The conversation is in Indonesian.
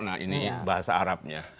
nah ini bahasa arabnya